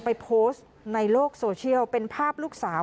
ไปโพสต์ในโลกโซเชียลเป็นภาพลูกสาว